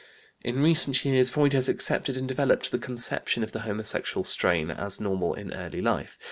In recent years Freud has accepted and developed the conception of the homosexual strain; as normal in early life.